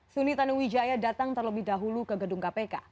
suni tanuwijaya datang terlebih dahulu ke gedung kpk